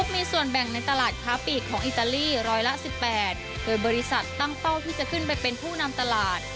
มีส่วนแบ่งในตลาดค้าปีกของอิตาลีร้อยละ๑๘โดยบริษัทตั้งเป้าที่จะขึ้นไปเป็นผู้นำตลาด